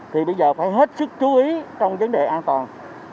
thì bây giờ phải hết sức chú ý trong vấn đề an toàn